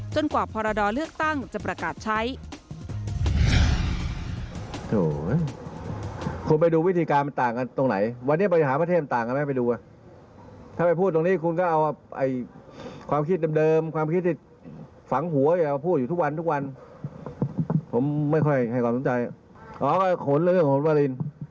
กว่าพรดรเลือกตั้งจะประกาศใช้